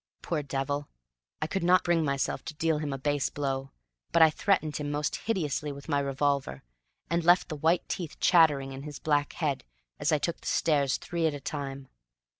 Poor devil, I could not bring myself to deal him a base blow, but I threatened him most hideously with my revolver, and left the white teeth chattering in his black head as I took the stairs three at a time.